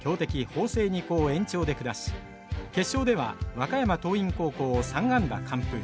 法政二高を延長で下し決勝では和歌山桐蔭高校を３安打完封。